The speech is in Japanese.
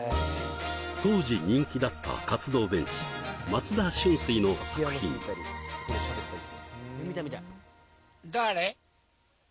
当時人気だった活動弁士松田春翠の作品「誰？」